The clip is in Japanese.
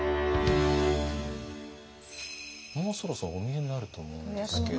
もうそろそろお見えになると思うんですけど。